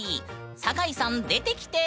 坂井さん出てきて！